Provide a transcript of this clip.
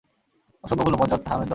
অসভ্যগুলো, বজ্জাত হারামির দল।